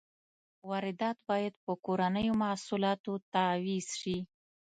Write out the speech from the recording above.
واردات باید په کورنیو محصولاتو تعویض شي.